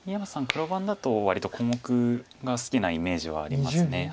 黒番だと割と小目が好きなイメージはあります。